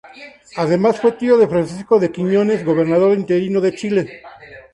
Además fue tío de Francisco de Quiñones, gobernador interino de Chile.